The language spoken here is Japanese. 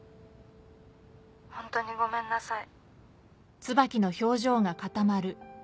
ホントにごめんなさい。